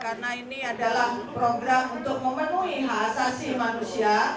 karena ini adalah program untuk memenuhi hasasi manusia